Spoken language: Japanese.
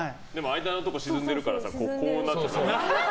間のところが沈んでるからこうなっちゃう。